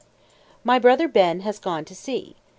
My brother Ben has gone to sea.